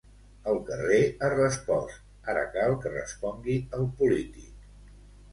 El carrer ha respost; ara cal que respongui el polític.